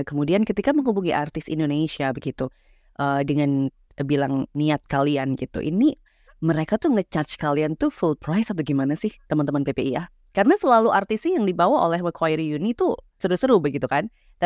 pembangunan ppi macquarie university